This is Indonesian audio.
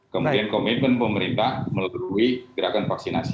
kemudian komitmen pemerintah melalui gerakan vaksinasi